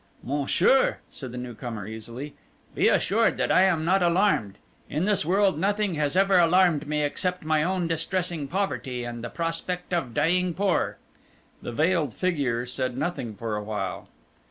"Monsieur," said the new comer easily, "be assured that I am not alarmed. In this world nothing has ever alarmed me except my own distressing poverty and the prospect of dying poor." The veiled figure said nothing for a while.